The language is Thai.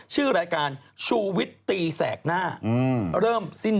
ชื่อรายการชูวิตตีแสกหน้าเริ่มสิ้น